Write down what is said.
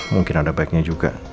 mungkin ada baiknya juga